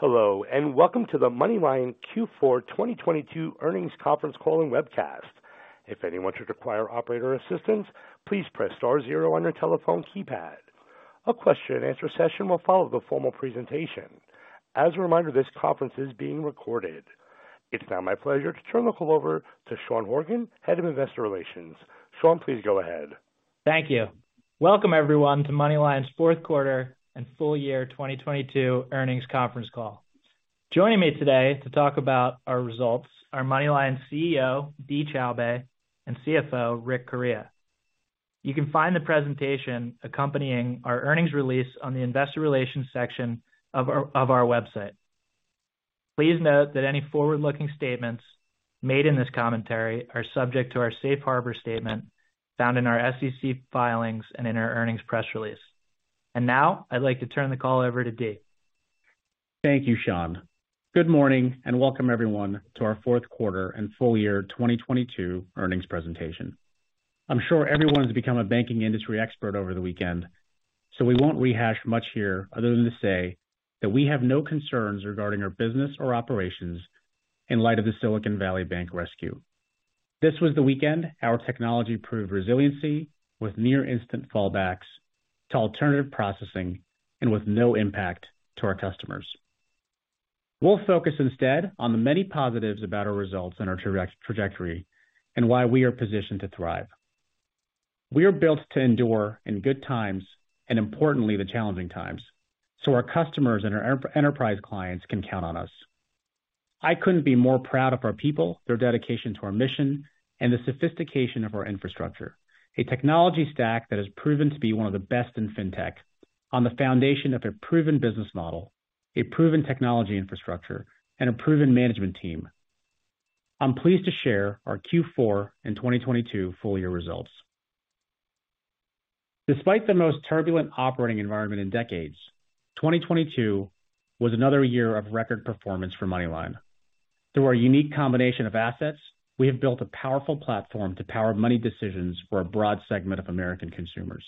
Hello, welcome to the MoneyLion Q4 2022 Earnings Conference Call and Webcast. If anyone should require operator assistance, please press star zero on your telephone keypad. A question and answer session will follow the formal presentation. As a reminder, this conference is being recorded. It's now my pleasure to turn the call over to Sean Horgan, Head of Investor Relations. Sean, please go ahead. Thank you. Welcome, everyone, to MoneyLion's Fourth Quarter and Full Year 2022 Earnings Conference Call. Joining me today to talk about our results are MoneyLion's CEO, Dee Choubey, and CFO, Rick Correia. You can find the presentation accompanying our earnings release on the investor relations section of our website. Please note that any forward-looking statements made in this commentary are subject to our safe harbor statement found in our SEC filings and in our earnings press release. Now, I'd like to turn the call over to Dee. Thank you, Sean. Good morning, welcome everyone to our Fourth Quarter and Full year 2022 Earnings Presentation. We won't rehash much here other than to say that we have no concerns regarding our business or operations in light of the Silicon Valley Bank rescue. This was the weekend our technology proved resiliency with near instant fallbacks to alternative processing and with no impact to our customers. We'll focus instead on the many positives about our results and our trajectory and why we are positioned to thrive. We are built to endure in good times and importantly, the challenging times, our customers and our enterprise clients can count on us. I couldn't be more proud of our people, their dedication to our mission, and the sophistication of our infrastructure. A technology stack that has proven to be one of the best in fintech on the foundation of a proven business model, a proven technology infrastructure, and a proven management team. I'm pleased to share our Q4 and 2022 full year results. Despite the most turbulent operating environment in decades, 2022 was another year of record performance for MoneyLion. Through our unique combination of assets, we have built a powerful platform to power money decisions for a broad segment of American consumers.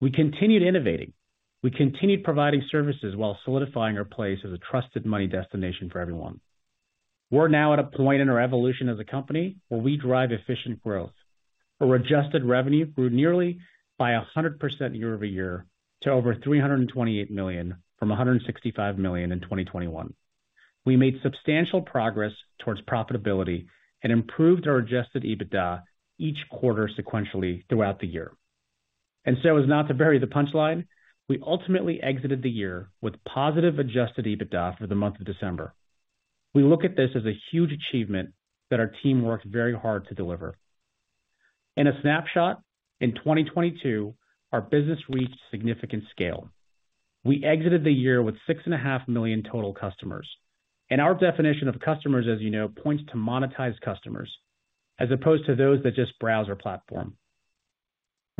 We continued innovating. We continued providing services while solidifying our place as a trusted money destination for everyone. We're now at a point in our evolution as a company where we drive efficient growth, where adjusted revenue grew nearly by 100% year-over-year to over $328 million from $165 million in 2021. We made substantial progress towards profitability and improved our adjusted EBITDA each quarter sequentially throughout the year. As not to bury the punchline, we ultimately exited the year with positive adjusted EBITDA for the month of December. We look at this as a huge achievement that our team worked very hard to deliver. In a snapshot, in 2022, our business reached significant scale. We exited the year with 6.5 million total customers, and our definition of customers, as you know, points to monetized customers as opposed to those that just browse our platform.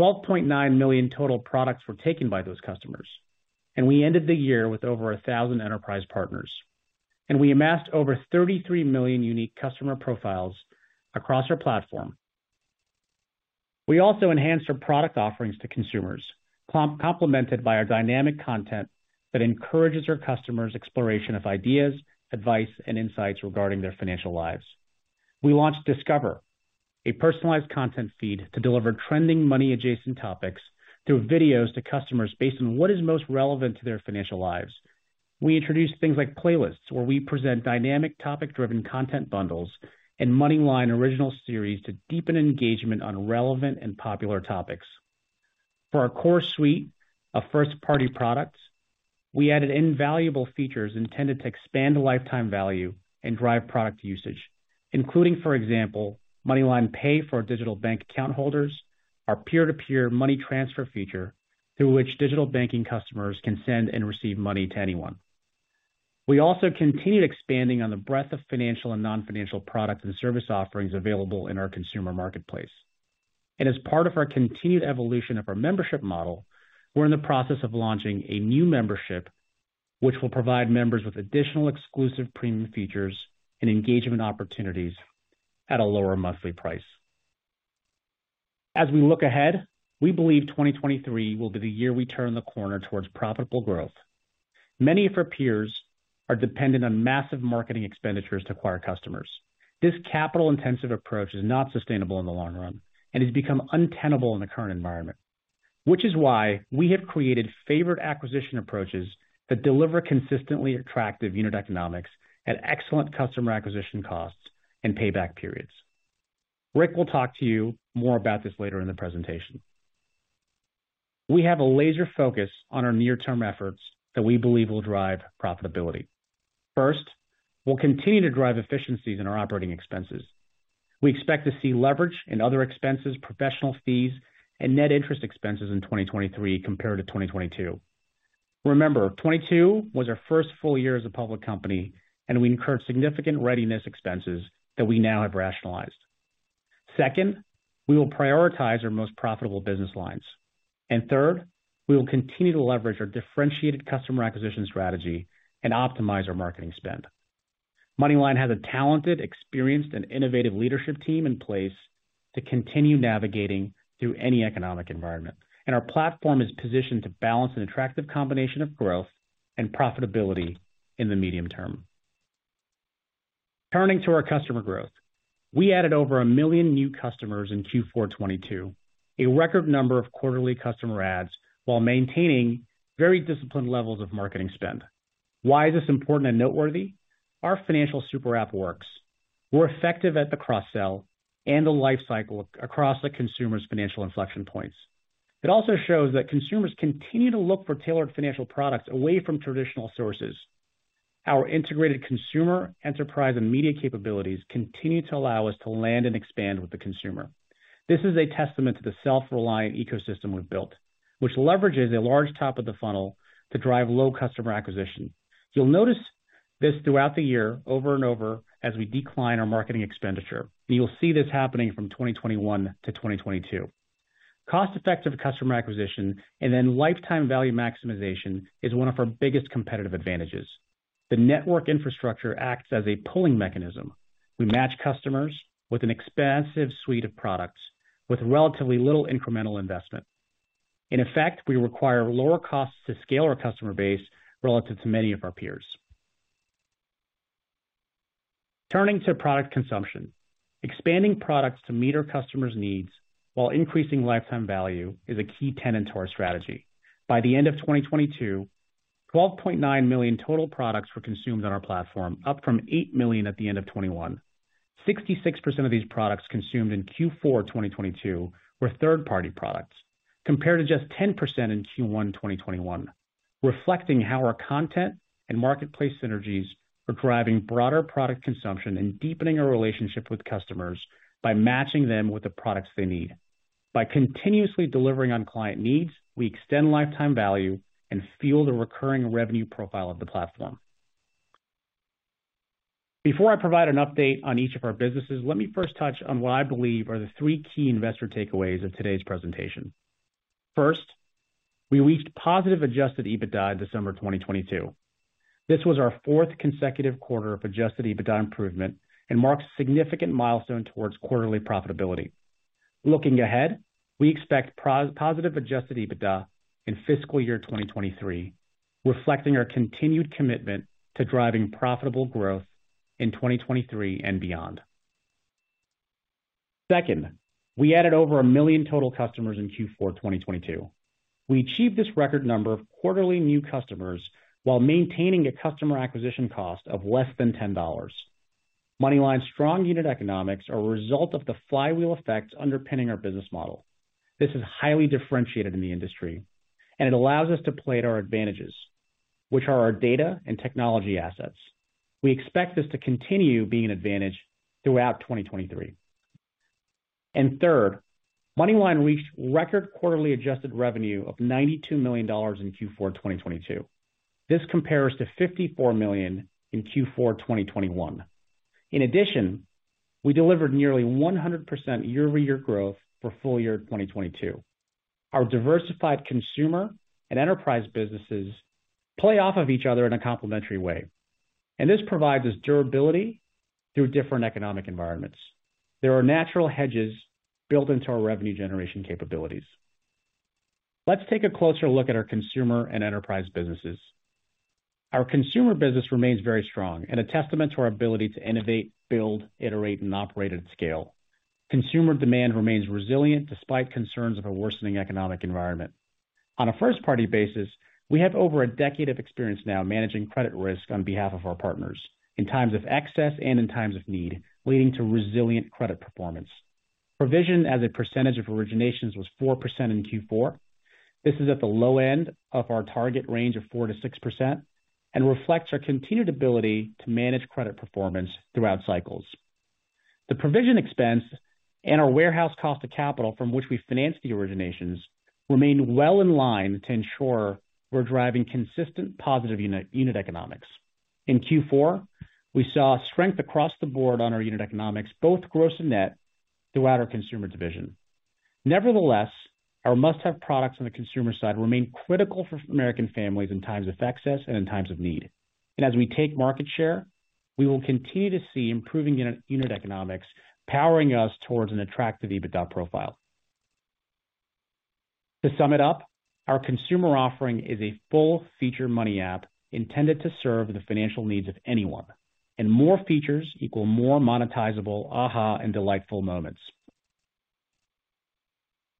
12.9 million total products were taken by those customers, and we ended the year with over 1,000 enterprise partners. We amassed over 33 million unique customer profiles across our platform. We also enhanced our product offerings to consumers, complemented by our dynamic content that encourages our customers' exploration of ideas, advice, and insights regarding their financial lives. We launched Discover, a personalized content feed to deliver trending money adjacent topics through videos to customers based on what is most relevant to their financial lives. We introduced things like playlists, where we present dynamic topic-driven content bundles and MoneyLion original series to deepen engagement on relevant and popular topics. For our core suite of first-party products, we added invaluable features intended to expand the lifetime value and drive product usage, including, for example, MoneyLion Pay for our digital bank account holders, our peer-to-peer money transfer feature through which digital banking customers can send and receive money to anyone. We also continued expanding on the breadth of financial and non-financial products and service offerings available in our consumer marketplace. As part of our continued evolution of our membership model, we're in the process of launching a new membership, which will provide members with additional exclusive premium features and engagement opportunities at a lower monthly price. As we look ahead, we believe 2023 will be the year we turn the corner towards profitable growth. Many of our peers are dependent on massive marketing expenditures to acquire customers. This capital-intensive approach is not sustainable in the long run and has become untenable in the current environment, which is why we have created favored acquisition approaches that deliver consistently attractive unit economics at excellent customer acquisition costs and payback periods. Rick will talk to you more about this later in the presentation. We have a laser focus on our near-term efforts that we believe will drive profitability. First, we'll continue to drive efficiencies in our operating expenses. We expect to see leverage in other expenses, professional fees, and net interest expenses in 2023 compared to 2022. Remember, 2022 was our first full year as a public company, we incurred significant readiness expenses that we now have rationalized. Second, we will prioritize our most profitable business lines. Third, we will continue to leverage our differentiated customer acquisition strategy and optimize our marketing spend. MoneyLion has a talented, experienced, and innovative leadership team in place to continue navigating through any economic environment, and our platform is positioned to balance an attractive combination of growth and profitability in the medium term. Turning to our customer growth. We added over 1 million new customers in Q4 2022, a record number of quarterly customer adds, while maintaining very disciplined levels of marketing spend. Why is this important and noteworthy? Our financial super app works. We're effective at the cross-sell and the life cycle across the consumer's financial inflection points. It also shows that consumers continue to look for tailored financial products away from traditional sources. Our integrated consumer, enterprise, and media capabilities continue to allow us to land and expand with the consumer. This is a testament to the self-reliant ecosystem we've built, which leverages a large top of the funnel to drive low customer acquisition. You'll notice this throughout the year over and over as we decline our marketing expenditure, and you'll see this happening from 2021 to 2022. Cost-effective customer acquisition and then lifetime value maximization is one of our biggest competitive advantages. The network infrastructure acts as a pulling mechanism. We match customers with an expansive suite of products with relatively little incremental investment. In effect, we require lower costs to scale our customer base relative to many of our peers. Turning to product consumption. Expanding products to meet our customers' needs while increasing lifetime value is a key tenet to our strategy. By the end of 2022, 12.9 million total products were consumed on our platform, up from 8 million at the end of 2021. 66% of these products consumed in Q4 2022 were third-party products, compared to just 10% in Q1 2021, reflecting how our content and marketplace synergies are driving broader product consumption and deepening our relationship with customers by matching them with the products they need. By continuously delivering on client needs, we extend lifetime value and fuel the recurring revenue profile of the platform. Before I provide an update on each of our businesses, let me first touch on what I believe are the three key investor takeaways of today's presentation. First, we reached positive adjusted EBITDA in December 2022. This was our fourth consecutive quarter of adjusted EBITDA improvement and marks a significant milestone towards quarterly profitability. Looking ahead, we expect positive adjusted EBITDA in fiscal year 2023, reflecting our continued commitment to driving profitable growth in 2023 and beyond. Second, we added over 1 million total customers in Q4 2022. We achieved this record number of quarterly new customers while maintaining a customer acquisition cost of less than $10. MoneyLion's strong unit economics are a result of the flywheel effects underpinning our business model. This is highly differentiated in the industry, it allows us to play to our advantages, which are our data and technology assets. We expect this to continue being an advantage throughout 2023. Third, MoneyLion reached record quarterly adjusted revenue of $92 million in Q4 2022. This compares to $54 million in Q4 2021. In addition, we delivered nearly 100% year-over-year growth for full year 2022. Our diversified consumer and enterprise businesses play off of each other in a complementary way, this provides us durability through different economic environments. There are natural hedges built into our revenue generation capabilities. Let's take a closer look at our consumer and enterprise businesses. Our consumer business remains very strong and a testament to our ability to innovate, build, iterate, and operate at scale. Consumer demand remains resilient despite concerns of a worsening economic environment. On a first-party basis, we have over a decade of experience now managing credit risk on behalf of our partners in times of excess and in times of need, leading to resilient credit performance. Provision as a percentage of originations was 4% in Q4. This is at the low end of our target range of 4% to 6% and reflects our continued ability to manage credit performance throughout cycles. The provision expense and our warehouse cost of capital, from which we finance the originations, remain well in line to ensure we're driving consistent positive unit economics. In Q4, we saw strength across the board on our unit economics, both gross and net, throughout our consumer division. Nevertheless, our must-have products on the consumer side remain critical for American families in times of excess and in times of need. As we take market share, we will continue to see improving unit economics powering us towards an attractive EBITDA profile. To sum it up, our consumer offering is a full-feature money app intended to serve the financial needs of anyone, and more features equal more monetizable aha and delightful moments.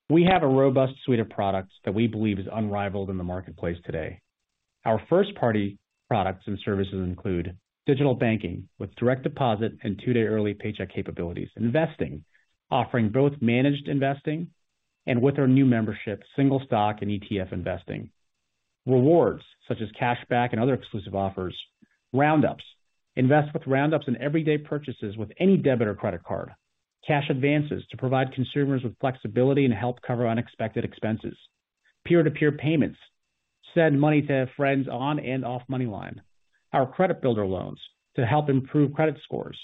We have a robust suite of products that we believe is unrivaled in the marketplace today. Our first-party products and services include digital banking with direct deposit and two-day early paycheck capabilities. Investing, offering both managed investing, and with our new membership, single stock and ETF investing. Rewards such as cashback and other exclusive offers. Roundups, invest with roundups in everyday purchases with any debit or credit card. Cash advances to provide consumers with flexibility and help cover unexpected expenses. Peer-to-peer payments, send money to friends on and off MoneyLion. Our Credit Builder Loans to help improve credit scores.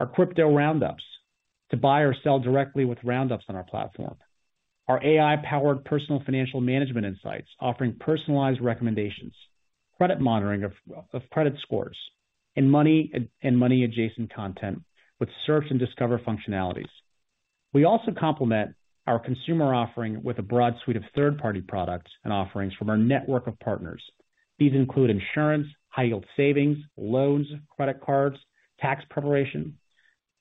Our crypto roundups to buy or sell directly with roundups on our platform. Our AI-powered personal financial management insights, offering personalized recommendations, credit monitoring of credit scores, and money-adjacent content with Search and Discover functionalities. We also complement our consumer offering with a broad suite of third-party products and offerings from our network of partners. These include insurance, high-yield savings, loans, credit cards, tax preparation,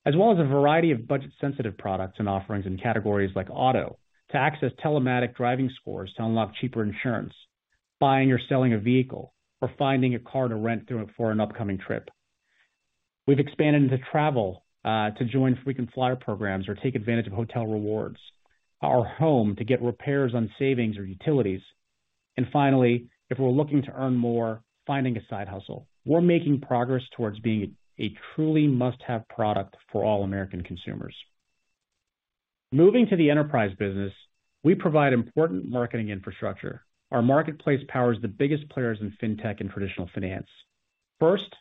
as well as a variety of budget-sensitive products and offerings in categories like auto to access telematic driving scores to unlock cheaper insurance, buying or selling a vehicle, or finding a car to rent through for an upcoming trip. We've expanded into travel to join frequent flyer programs or take advantage of hotel rewards, our home to get repairs on savings or utilities. Finally, if we're looking to earn more, finding a side hustle. We're making progress towards being a truly must-have product for all American consumers. Moving to the enterprise business, we provide important marketing infrastructure. Our marketplace powers the biggest players in fintech and traditional finance. First,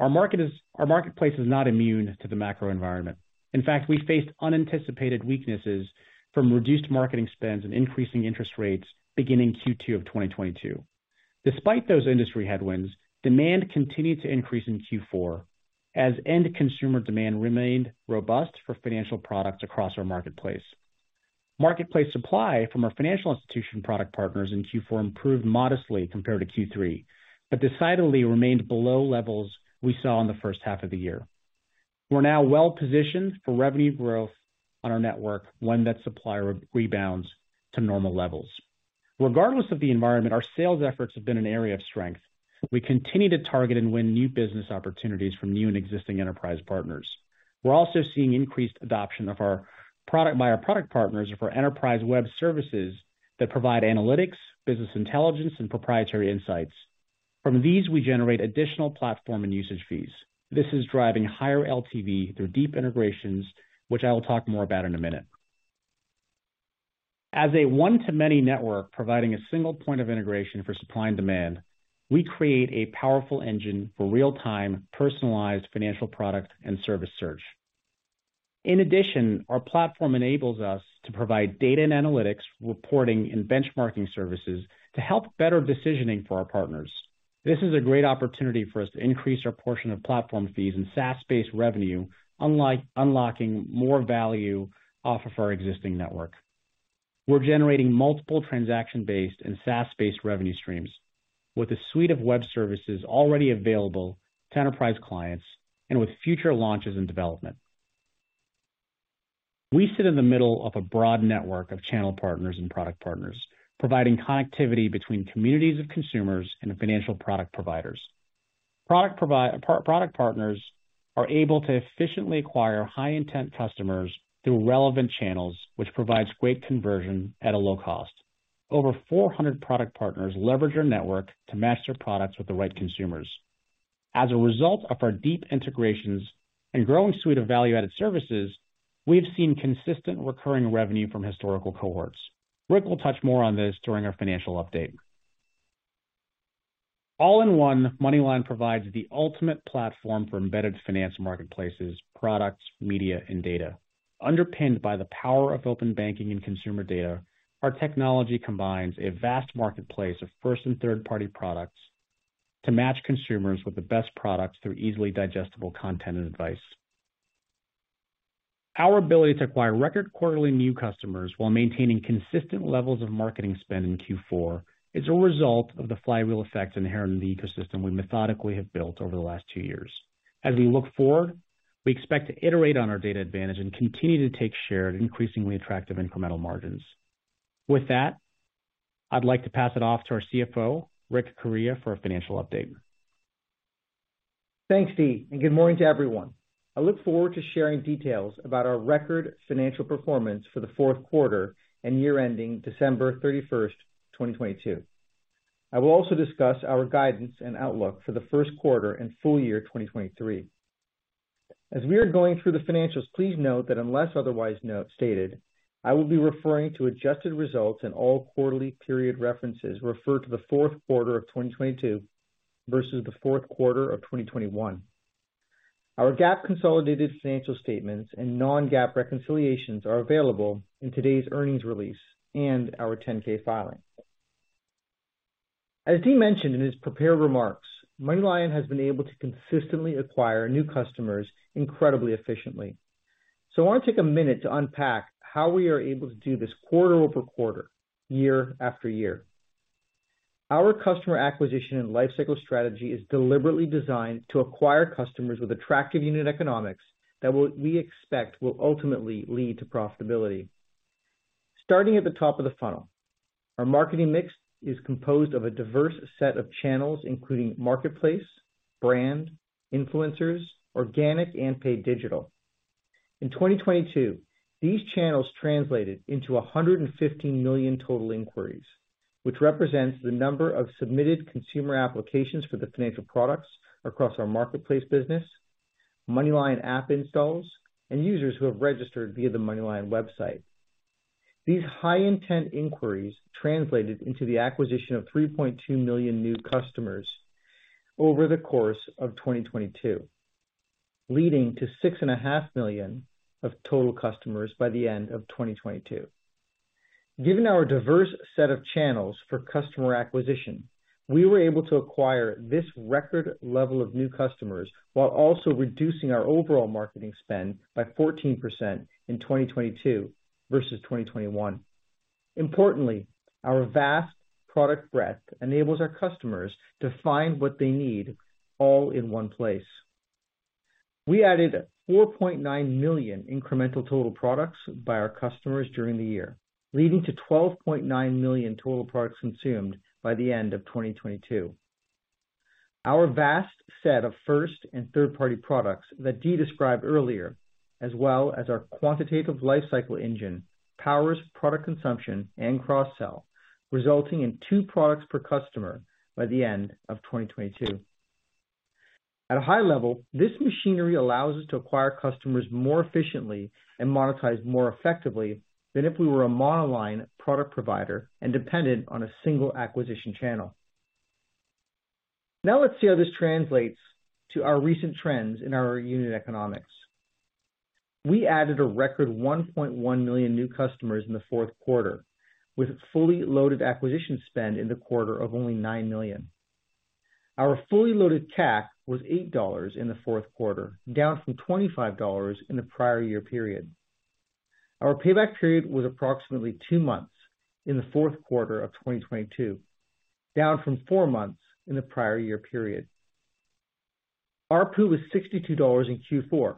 Our marketplace is not immune to the macro environment. In fact, we faced unanticipated weaknesses from reduced marketing spends and increasing interest rates beginning Q2 of 2022. Despite those industry headwinds, demand continued to increase in Q4 as end consumer demand remained robust for financial products across our marketplace. Marketplace supply from our financial institution product partners in Q4 improved modestly compared to Q3, but decidedly remained below levels we saw in the first half of the year. We're now well-positioned for revenue growth on our network when that supply rebounds to normal levels. Regardless of the environment, our sales efforts have been an area of strength. We continue to target and win new business opportunities from new and existing enterprise partners. We're also seeing increased adoption by our product partners for enterprise web services that provide analytics, business intelligence, and proprietary insights. From these, we generate additional platform and usage fees. This is driving higher LTV through deep integrations, which I will talk more about in a minute. As a one-to-many network providing a single point of integration for supply and demand, we create a powerful engine for real-time, personalized financial product and service search. Our platform enables us to provide data and analytics, reporting and benchmarking services to help better decisioning for our partners. This is a great opportunity for us to increase our portion of platform fees and SaaS-based revenue, unlike unlocking more value off of our existing network. We're generating multiple transaction-based and SaaS-based revenue streams with a suite of web services already available to enterprise clients and with future launches in development. We sit in the middle of a broad network of channel partners and product partners, providing connectivity between communities of consumers and financial product providers. Product partners are able to efficiently acquire high-intent customers through relevant channels, which provides great conversion at a low cost. Over 400 product partners leverage our network to match their products with the right consumers. As a result of our deep integrations and growing suite of value-added services, we have seen consistent recurring revenue from historical cohorts. Rick will touch more on this during our financial update. All-in-one, MoneyLion provides the ultimate platform for embedded finance marketplaces, products, media, and data. Underpinned by the power of open banking and consumer data, our technology combines a vast marketplace of first and third-party products to match consumers with the best products through easily digestible content and advice. Our ability to acquire record quarterly new customers while maintaining consistent levels of marketing spend in Q4 is a result of the flywheel effects inherent in the ecosystem we methodically have built over the last two years. As we look forward, we expect to iterate on our data advantage and continue to take share at increasingly attractive incremental margins. With that, I'd like to pass it off to our CFO, Rick Correia, for a financial update. Thanks, Dee. Good morning to everyone. I look forward to sharing details about our record financial performance for the fourth quarter and year ending December 31st, 2022. I will also discuss our guidance and outlook for the first quarter and full year 2023. As we are going through the financials, please note that unless otherwise note stated, I will be referring to adjusted results, and all quarterly period references refer to the fourth quarter of 2022 versus the fourth quarter of 2021. Our GAAP consolidated financial statements and non-GAAP reconciliations are available in today's earnings release and our 10-K filing. As Dee mentioned in his prepared remarks, MoneyLion has been able to consistently acquire new customers incredibly efficiently. I want to take a minute to unpack how we are able to do this quarter-over-quarter, year after year. Our customer acquisition and lifecycle strategy is deliberately designed to acquire customers with attractive unit economics that we expect will ultimately lead to profitability. Starting at the top of the funnel, our marketing mix is composed of a diverse set of channels, including marketplace, brand, influencers, organic, and paid digital. In 2022, these channels translated into 150 million total inquiries, which represents the number of submitted consumer applications for the financial products across our marketplace business, MoneyLion app installs, and users who have registered via the MoneyLion website. These high intent inquiries translated into the acquisition of 3.2 million new customers over the course of 2022, leading to 6.5 million of total customers by the end of 2022. Given our diverse set of channels for customer acquisition, we were able to acquire this record level of new customers while also reducing our overall marketing spend by 14% in 2022 versus 2021. Importantly, our vast product breadth enables our customers to find what they need all in one place. We added 4.9 million incremental total products by our customers during the year, leading to 12.9 million total products consumed by the end of 2022. Our vast set of first and third-party products that Dee described earlier, as well as our quantitative lifecycle engine, powers product consumption and cross-sell, resulting in two products per customer by the end of 2022. At a high level, this machinery allows us to acquire customers more efficiently and monetize more effectively than if we were a monoline product provider and dependent on a single acquisition channel. Let's see how this translates to our recent trends in our unit economics. We added a record 1.1 million new customers in the fourth quarter, with fully loaded acquisition spend in the quarter of only $9 million. Our fully loaded CAC was $8 in the fourth quarter, down from $25 in the prior year period. Our payback period was approximately two months in the fourth quarter of 2022, down from four months in the prior year period. ARPU was $62 in Q4,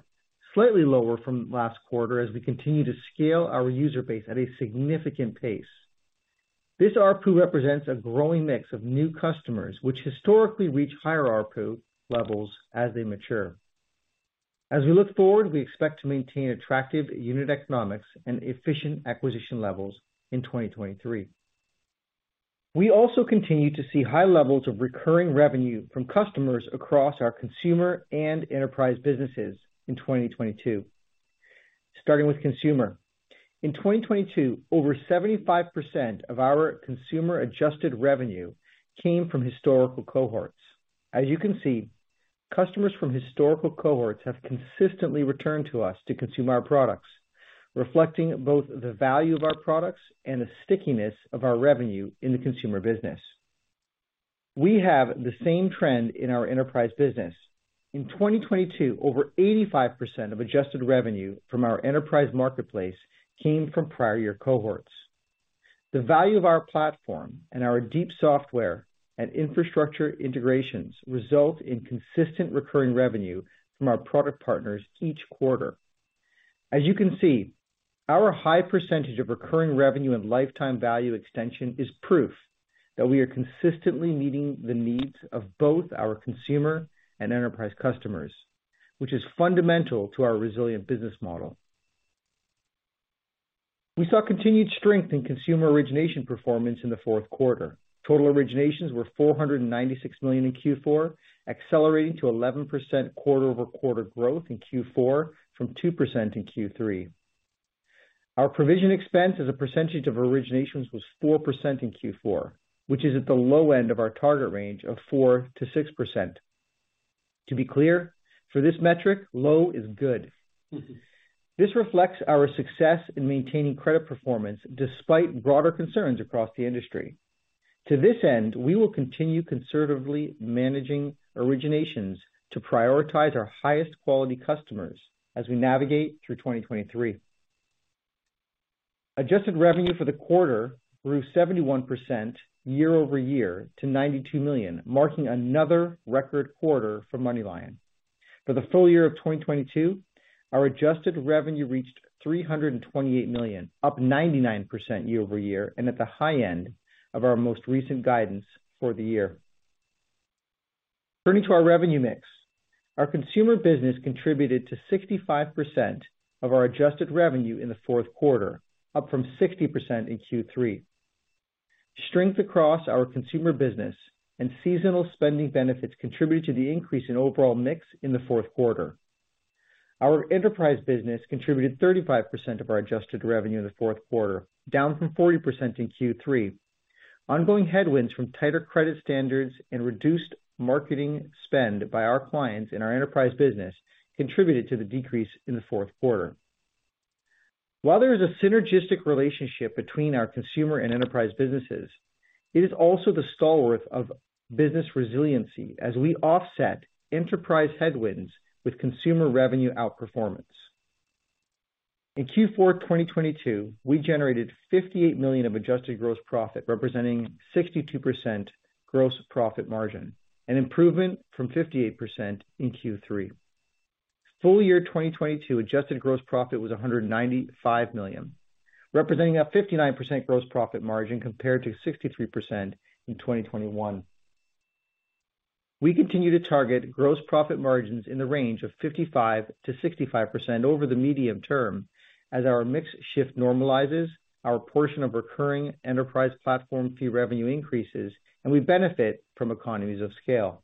slightly lower from last quarter as we continue to scale our user base at a significant pace. This ARPU represents a growing mix of new customers, which historically reach higher ARPU levels as they mature. As we look forward, we expect to maintain attractive unit economics and efficient acquisition levels in 2023. We also continue to see high levels of recurring revenue from customers across our consumer and enterprise businesses in 2022. Starting with consumer. In 2022, over 75% of our consumer-adjusted revenue came from historical cohorts. As you can see, customers from historical cohorts have consistently returned to us to consume our products, reflecting both the value of our products and the stickiness of our revenue in the consumer business. We have the same trend in our enterprise business. In 2022, over 85% of adjusted revenue from our enterprise marketplace came from prior year cohorts. The value of our platform and our deep software and infrastructure integrations result in consistent recurring revenue from our product partners each quarter. As you can see, our high percentage of recurring revenue and lifetime value extension is proof that we are consistently meeting the needs of both our consumer and enterprise customers, which is fundamental to our resilient business model. We saw continued strength in consumer origination performance in the fourth quarter. Total originations were $496 million in Q4, accelerating to 11% quarter-over-quarter growth in Q4 from 2% in Q3. Our provision expense as a percentage of originations was 4% in Q4, which is at the low end of our target range of 4% to 6%. To be clear, for this metric, low is good. This reflects our success in maintaining credit performance despite broader concerns across the industry. To this end, we will continue conservatively managing originations to prioritize our highest quality customers as we navigate through 2023. Adjusted revenue for the quarter grew 71% year-over-year to $92 million, marking another record quarter for MoneyLion. For the full year of 2022, our adjusted revenue reached $328 million, up 99% year-over-year and at the high end of our most recent guidance for the year. Turning to our revenue mix, our consumer business contributed to 65% of our adjusted revenue in the fourth quarter, up from 60% in Q3. Strength across our consumer business and seasonal spending benefits contributed to the increase in overall mix in the fourth quarter. Our enterprise business contributed 35% of our adjusted revenue in the fourth quarter, down from 40% in Q3. Ongoing headwinds from tighter credit standards and reduced marketing spend by our clients in our enterprise business contributed to the decrease in the fourth quarter. While there is a synergistic relationship between our consumer and enterprise businesses, it is also the stalwart of business resiliency as we offset enterprise headwinds with consumer revenue outperformance. In Q4 2022, we generated $58 million of adjusted gross profit, representing 62% gross profit margin, an improvement from 58% in Q3. Full year 2022 adjusted gross profit was $195 million, representing a 59% gross profit margin compared to 63% in 2021. We continue to target gross profit margins in the range of 55% to 65% over the medium term as our mix shift normalizes, our portion of recurring enterprise platform fee revenue increases, and we benefit from economies of scale.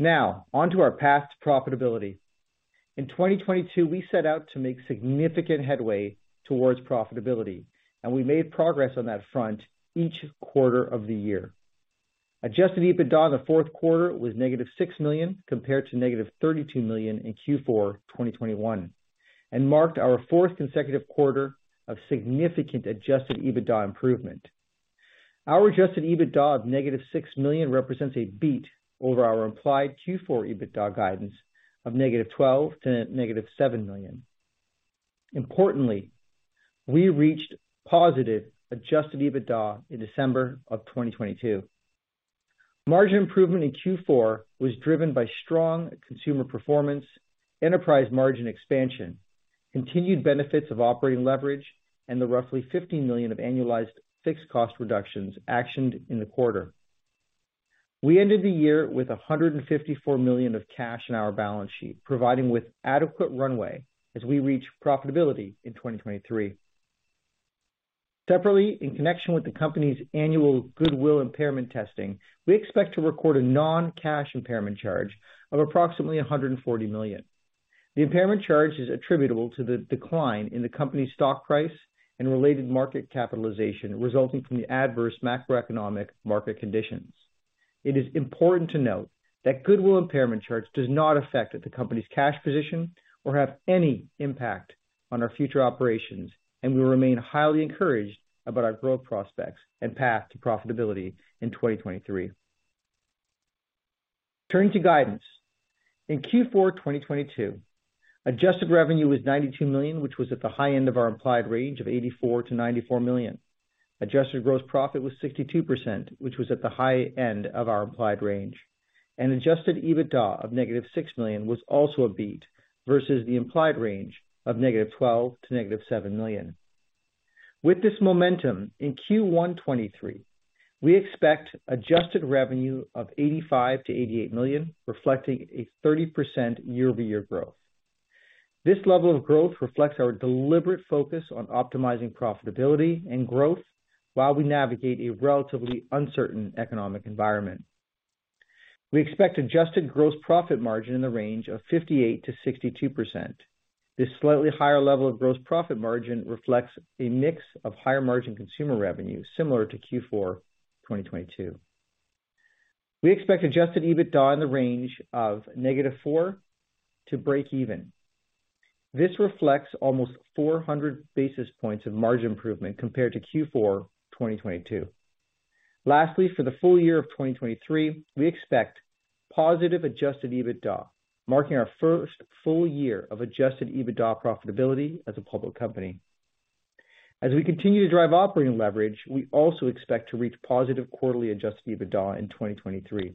Now on to our path to profitability. In 2022, we set out to make significant headway towards profitability, we made progress on that front each quarter of the year. Adjusted EBITDA in the fourth quarter was -$6 million compared to -$32 million in Q4 2021, marked our fourth consecutive quarter of significant Adjusted EBITDA improvement. Our Adjusted EBITDA of -$6 million represents a beat over our implied Q4 EBITDA guidance of -$12 million to -$7 million. Importantly, we reached positive Adjusted EBITDA in December of 2022. Margin improvement in Q4 was driven by strong consumer performance, enterprise margin expansion, continued benefits of operating leverage, the roughly $50 million of annualized fixed cost reductions actioned in the quarter. We ended the year with $154 million of cash in our balance sheet, providing with adequate runway as we reach profitability in 2023. Separately, in connection with the company's annual goodwill impairment testing, we expect to record a non-cash impairment charge of approximately $140 million. The impairment charge is attributable to the decline in the company's stock price and related market capitalization resulting from the adverse macroeconomic market conditions. It is important to note that goodwill impairment charge does not affect the company's cash position or have any impact on our future operations. We remain highly encouraged about our growth prospects and path to profitability in 2023. Turning to guidance, in Q4 2022, adjusted revenue was $92 million, which was at the high end of our implied range of $84 million-$94 million. Adjusted gross profit was 62%, which was at the high end of our implied range, and adjusted EBITDA of -$6 million was also a beat versus the implied range of -$12 million to -$7 million. With this momentum, in Q1 2023, we expect adjusted revenue of $85 million-$88 million, reflecting a 30% year-over-year growth. This level of growth reflects our deliberate focus on optimizing profitability and growth while we navigate a relatively uncertain economic environment. We expect adjusted gross profit margin in the range of 58% to 62%. This slightly higher level of gross profit margin reflects a mix of higher margin consumer revenue similar to Q4 2022. We expect adjusted EBITDA in the range of -$4 million to breakeven. This reflects almost 400 basis points of margin improvement compared to Q4 2022. Lastly, for the full year of 2023, we expect positive adjusted EBITDA, marking our first full year of adjusted EBITDA profitability as a public company. We also expect to reach positive quarterly adjusted EBITDA in 2023.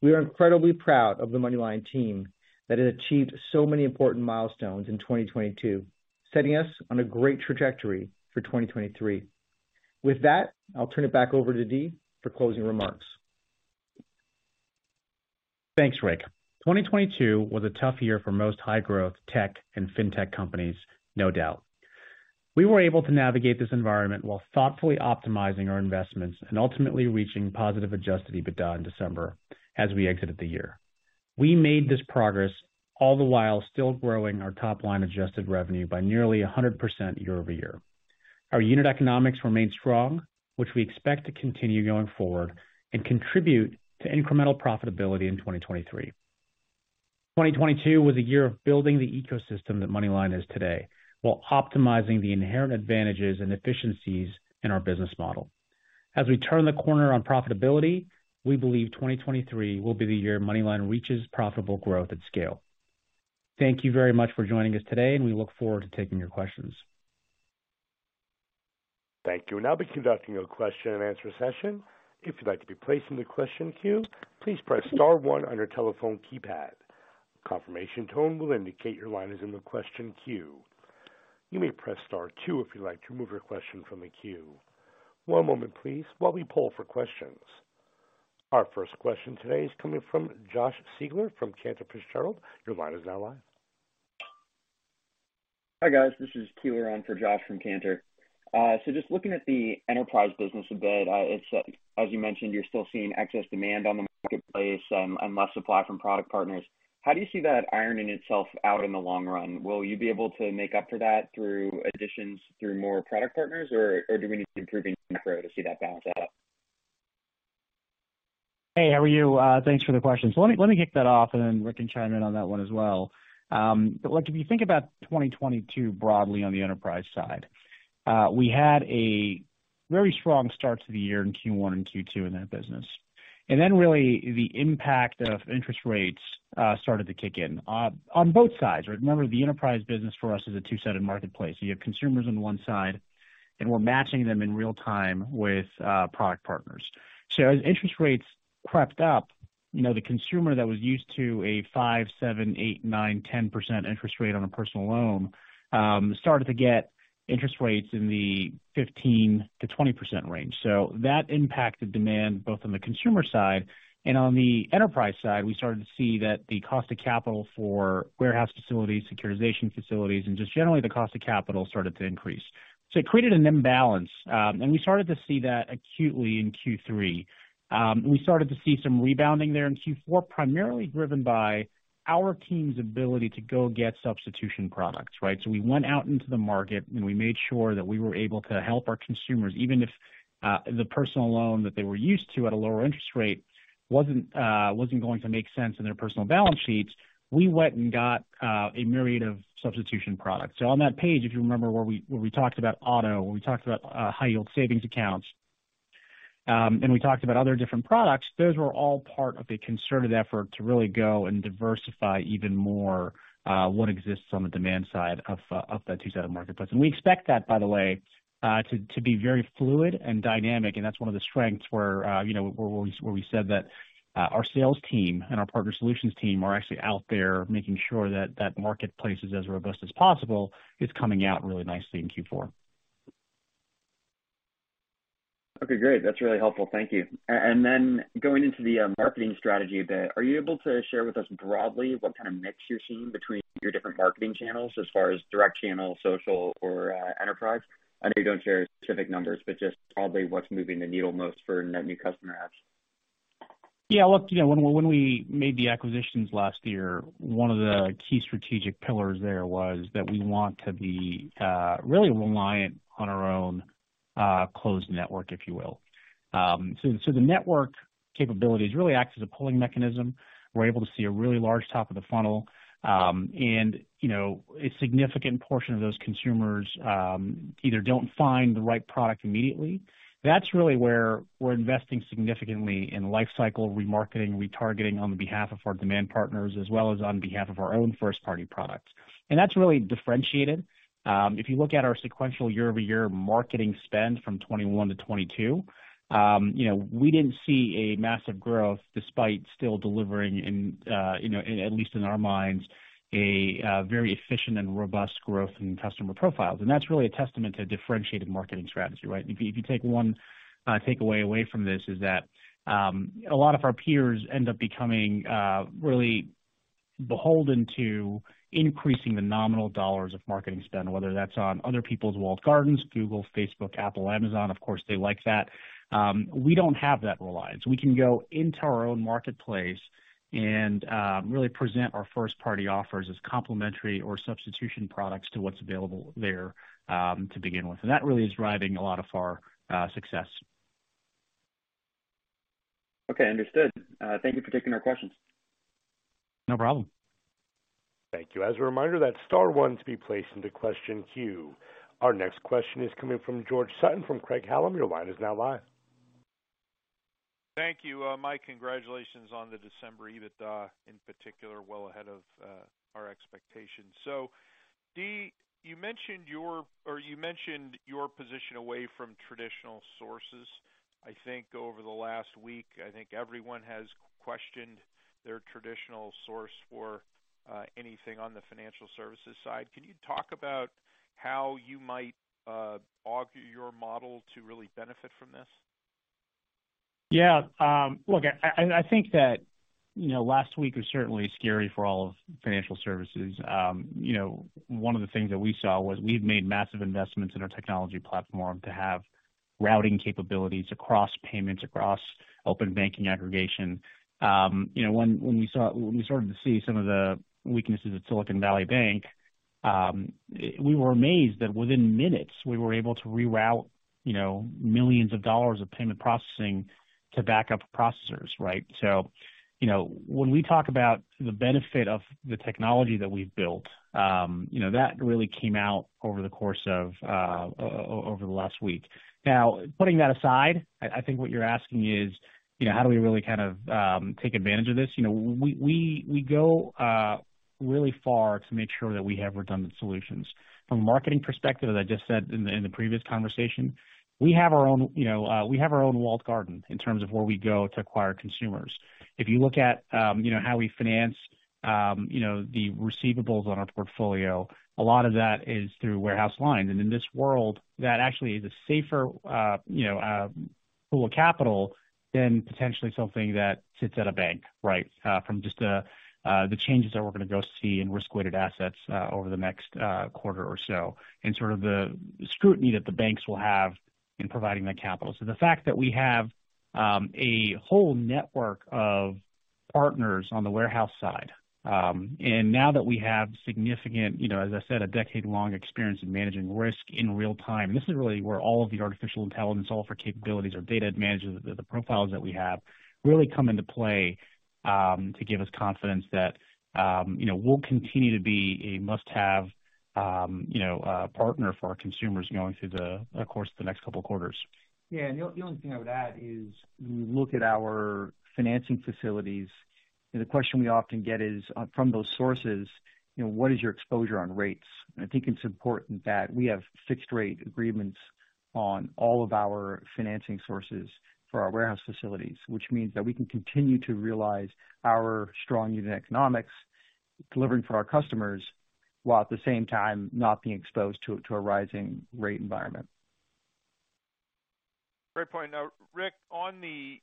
We are incredibly proud of the MoneyLion team that has achieved so many important milestones in 2022, setting us on a great trajectory for 2023. With that, I'll turn it back over to Dee for closing remarks. Thanks, Rick. 2022 was a tough year for most high-growth tech and fintech companies, no doubt. We were able to navigate this environment while thoughtfully optimizing our investments and ultimately reaching positive adjusted EBITDA in December as we exited the year. We made this progress all the while still growing our top line adjusted revenue by nearly 100% year-over-year. Our unit economics remained strong, which we expect to continue going forward and contribute to incremental profitability in 2023. 2022 was a year of building the ecosystem that MoneyLion is today, while optimizing the inherent advantages and efficiencies in our business model. As we turn the corner on profitability, we believe 2023 will be the year MoneyLion reaches profitable growth at scale. Thank you very much for joining us today, and we look forward to taking your questions. Thank you. We'll now be conducting a question-and-answer session. If you'd like to be placed in the question queue, please press star one on your telephone keypad. A confirmation tone will indicate your line is in the question queue. You may press star two if you'd like to remove your question from the queue. One moment please while we poll for questions. Our first question today is coming from Josh Siegler from Cantor Fitzgerald. Your line is now live. Hi, guys. This is Keeler on for Josh from Cantor. Just looking at the enterprise business a bit, it's, as you mentioned, you're still seeing excess demand on the marketplace, and less supply from product partners. How do you see that ironing itself out in the long run? Will you be able to make up for that through additions through more product partners or do we need to improve macro to see that balance out? Hey, how are you? Thanks for the question. Let me kick that off, and then Rick can chime in on that one as well. Look, if you think about 2022 broadly on the enterprise side, we had a very strong start to the year in Q1 and Q2 in that business. Really the impact of interest rates started to kick in on both sides. Remember, the enterprise business for us is a two-sided marketplace. You have consumers on one side, and we're matching them in real time with product partners. As interest rates crept up. You know, the consumer that was used to a 5%, 7%, 8%, 9%, 10% interest rate on a personal loan, started to get interest rates in the 15% to 20% range. That impacted demand both on the consumer side and on the enterprise side. We started to see that the cost of capital for warehouse facilities, securitization facilities, and just generally the cost of capital started to increase. It created an imbalance, and we started to see that acutely in Q3. We started to see some rebounding there in Q4, primarily driven by our team's ability to go get substitution products, right? We went out into the market and we made sure that we were able to help our consumers, even if the personal loan that they were used to at a lower interest rate wasn't going to make sense in their personal balance sheets. We went and got a myriad of substitution products. On that page, if you remember where we, where we talked about auto, where we talked about high yield savings accounts, and we talked about other different products, those were all part of a concerted effort to really go and diversify even more what exists on the demand side of that two-sided marketplace. We expect that, by the way, to be very fluid and dynamic. That's one of the strengths where, you know, where we said that our sales team and our partner solutions team are actually out there making sure that that marketplace is as robust as possible, is coming out really nicely in Q4. Okay, great. That's really helpful. Thank you. Going into the marketing strategy a bit, are you able to share with us broadly what kind of mix you're seeing between your different marketing channels as far as direct channel, social or enterprise? I know you don't share specific numbers, but just probably what's moving the needle most for net new customer adds. Yeah, look, you know, when we made the acquisitions last year, one of the key strategic pillars there was that we want to be really reliant on our own closed network, if you will. The network capabilities really acts as a pulling mechanism. We're able to see a really large top of the funnel. You know, a significant portion of those consumers either don't find the right product immediately. That's really where we're investing significantly in lifecycle remarketing, retargeting on behalf of our demand partners as well as on behalf of our own first party products. That's really differentiated. If you look at our sequential year-over-year marketing spend from 2021 to 2022, you know, we didn't see a massive growth despite still delivering in, you know, at least in our minds, a very efficient and robust growth in customer profiles. That's really a testament to differentiated marketing strategy, right? If you take one takeaway away from this is that a lot of our peers end up becoming really beholden to increasing the nominal dollars of marketing spend, whether that's on other people's walled gardens, Google, Facebook, Apple, Amazon, of course, they like that. We don't have that reliance. We can go into our own marketplace and really present our first party offers as complementary or substitution products to what's available there to begin with. That really is driving a lot of our success. Okay, understood. Thank you for taking our questions. No problem. Thank you. As a reminder, that's star one to be placed into question queue. Our next question is coming from George Sutton from Craig-Hallum. Your line is now live. Thank you. Mike, congratulations on the December EBITDA in particular. Well ahead of our expectations. Dee, you mentioned your position away from traditional sources. I think over the last week, I think everyone has questioned their traditional source for anything on the financial services side. Can you talk about how you might augur your model to really benefit from this? Yeah. Look, I think that, you know, last week was certainly scary for all of financial services. You know, one of the things that we saw was we've made massive investments in our technology platform to have routing capabilities across payments, across open banking aggregation. You know, when we started to see some of the weaknesses at Silicon Valley Bank, we were amazed that within minutes we were able to reroute, you know, millions of dollars of payment processing to backup processors, right? You know, when we talk about the benefit of the technology that we've built, you know, that really came out over the course of over the last week. Now, putting that aside, I think what you're asking is, you know, how do we really kind of take advantage of this? You know, we go really far to make sure that we have redundant solutions. From a marketing perspective, as I just said in the previous conversation, we have our own, you know, walled garden in terms of where we go to acquire consumers. If you look at, you know, how we finance, you know, the receivables on our portfolio, a lot of that is through warehouse lines. In this world, that actually is a safer, you know, pool of capital than potentially something that sits at a bank, right? From just the changes that we're gonna go see in risk-weighted assets over the next quarter or so, and sort of the scrutiny that the banks will have in providing that capital. The fact that we have a whole network of partners on the warehouse side, and now that we have significant, you know, as I said, a decade-long experience in managing risk in real time, this is really where all of the artificial intelligence, all of our capabilities, our data management, the profiles that we have really come into play, to give us confidence that, you know, we'll continue to be a must-have, you know, partner for our consumers going through the, of course, the next couple of quarters. Yeah. The only thing I would add is, you look at our financing facilities. The question we often get is, from those sources, you know, what is your exposure on rates? I think it's important that we have fixed rate agreements on all of our financing sources for our warehouse facilities, which means that we can continue to realize our strong unit economics delivering for our customers, while at the same time not being exposed to a rising rate environment. Great point. Rick, on the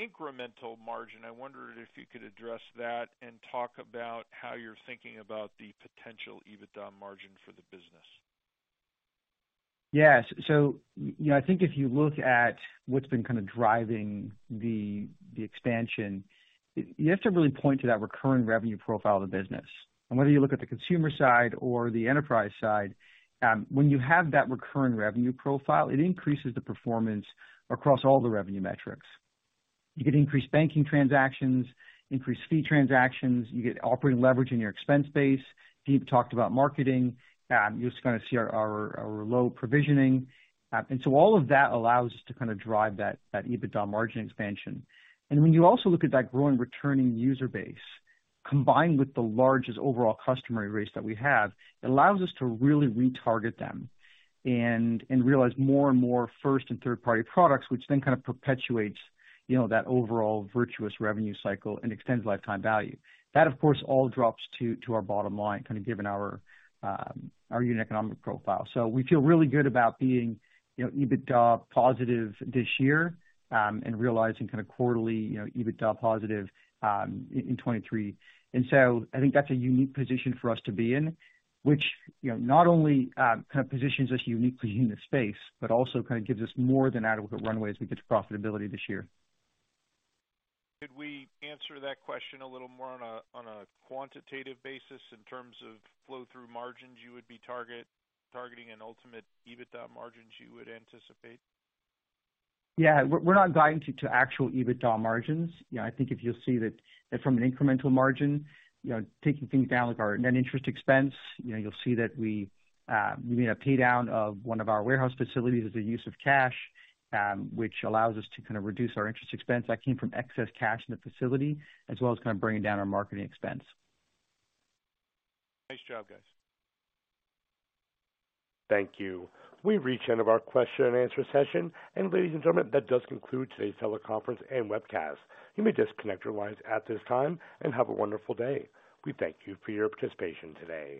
incremental margin, I wonder if you could address that and talk about how you're thinking about the potential EBITDA margin for the business. Yes. You know, I think if you look at what's been kinda driving the expansion, you have to really point to that recurring revenue profile of the business. Whether you look at the consumer side or the enterprise side, when you have that recurring revenue profile, it increases the performance across all the revenue metrics. You get increased banking transactions, increased fee transactions, you get operating leverage in your expense base. Deep talked about marketing. You're just gonna see our low provisioning. All of that allows us to kinda drive that EBITDA margin expansion. When you also look at that growing returning user base, combined with the largest overall customer base that we have, it allows us to really retarget them and realize more and more first and third-party products, which then kind of perpetuates, you know, that overall virtuous revenue cycle and extends lifetime value. That, of course, all drops to our bottom line, kind of given our unit economic profile. We feel really good about being, you know, EBITDA positive this year, and realizing kind of quarterly, you know, EBITDA positive in 2023. I think that's a unique position for us to be in, which, you know, not only kind of positions us uniquely in the space, but also kind of gives us more than adequate runways as we get to profitability this year. Could we answer that question a little more on a quantitative basis in terms of flow through margins you would be targeting and ultimate EBITDA margins you would anticipate? Yeah. We're not guiding to actual EBITDA margins. You know, I think if you'll see that from an incremental margin, you know, taking things down like our net interest expense, you know, you'll see that we made a pay down of one of our warehouse facilities as a use of cash, which allows us to kind of reduce our interest expense that came from excess cash in the facility, as well as kind of bringing down our marketing expense. Nice job, guys. Thank you. We've reached the end of our question and answer session. Ladies and gentlemen, that does conclude today's teleconference and webcast. You may disconnect your lines at this time, and have a wonderful day. We thank you for your participation today.